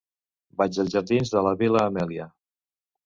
Vaig als jardins de la Vil·la Amèlia.